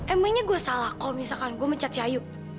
emangnya gue salah kalau misalkan gue mencat si ayo